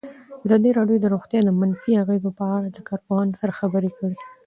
ازادي راډیو د روغتیا د منفي اغېزو په اړه له کارپوهانو سره خبرې کړي.